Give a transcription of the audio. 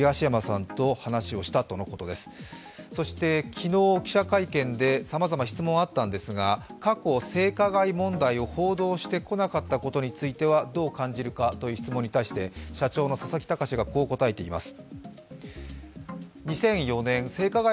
昨日、記者会見でさまざま質問はあったんですが過去性加害問題を報道してこなかったことについてはどう感じているかという質問に対して社長の佐々木卓がこう答えています。